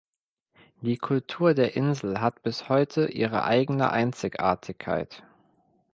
Die Kultur der Insel hat bis heute ihre eigene Einzigartigkeit.